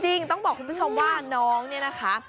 ต้องบอกคุณผู้ชมว่าน้องเนี่ยนะคะ